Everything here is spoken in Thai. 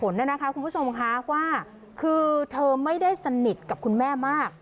นะคะคุณผู้ชมค่ะว่าคือเธอไม่ได้สนิทกับคุณแม่มาก